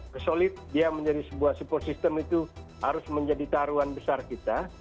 kesolid dia menjadi sebuah support system itu harus menjadi taruhan besar kita